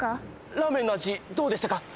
ラーメンの味、どうでしたか？